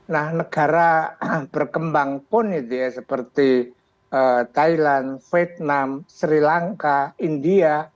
nah negara berkembang pun itu ya seperti thailand vietnam sri lanka india